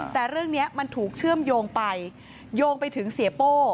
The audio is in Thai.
แต่เรื่องนี้มันถูกเชื่อมโยงไปโยงไปถึงเสียโป้